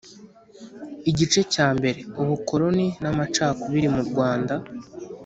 igice cya mbere: ubukoloni n’amacakubiri mu rwanda.